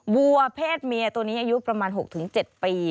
วัวเพศเมียตัวนี้อายุประมาณ๖๗ปี